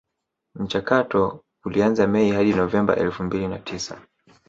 Mchakato ulianza Mei hadi Novemba elfu mbili na tisa